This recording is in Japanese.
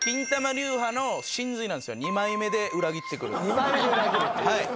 ２枚目で裏切るっていう。